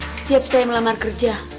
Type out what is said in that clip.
setiap saya melamar kerja